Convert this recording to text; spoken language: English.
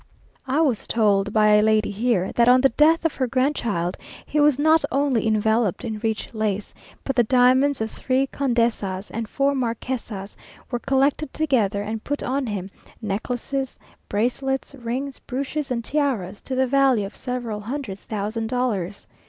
I was told by a lady here, that on the death of her grandchild, he was not only enveloped in rich lace, but the diamonds of three condesas and four marquesas were collected together and put on him, necklaces, bracelets, rings, brooches and tiaras, to the value of several hundred thousand dollars.